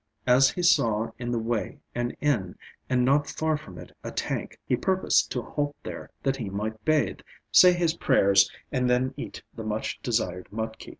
As he saw in the way an inn, and not far from it a tank, he purposed to halt there that he might bathe, say his prayers, and then eat the much desired mudki.